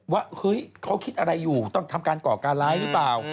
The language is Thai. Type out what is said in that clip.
ว่าเฮ้ยเขาคิดอะไรอยู่ต้องทำการก่อการร้ายหรือเปล่า